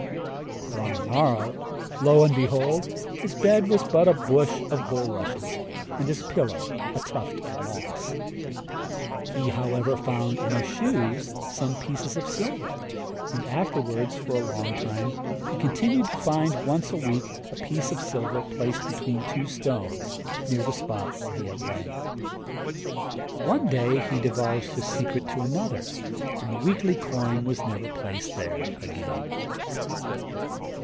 But on the morrow, lo and behold! his bed was but a bush of bulrushes, and his pillow a tuft of moss. He however found in his shoes some pieces of silver, and afterwards, for a long time, he continued to find once a week a piece of silver placed between two stones near the spot where he had lain. One day he divulged his secret to another, and the weekly coin was never placed there again.